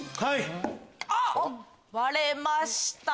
あっ割れました。